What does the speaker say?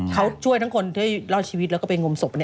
เขาช่วยทั้งคนที่รอดชีวิตแล้วก็ไปงมศพ